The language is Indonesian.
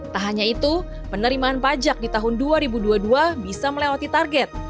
tak hanya itu penerimaan pajak di tahun dua ribu dua puluh dua bisa melewati target